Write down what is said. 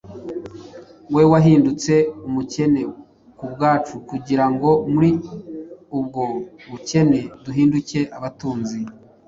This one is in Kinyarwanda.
We wahindutse umukene ku bwacu kugira ngo muri ubwo bukene duhinduke abatunzi.